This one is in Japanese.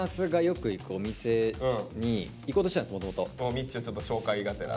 みっちーをちょっと紹介がてら？